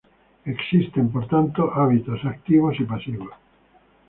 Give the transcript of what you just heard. Existen, por tanto, hábitos activos y pasivos.